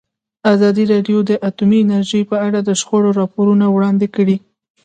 ازادي راډیو د اټومي انرژي په اړه د شخړو راپورونه وړاندې کړي.